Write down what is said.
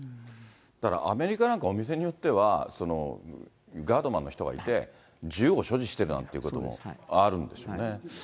だからアメリカなんかお店によっては、ガードマンの人がいて、銃を所持してるなんてこともあるんですよね。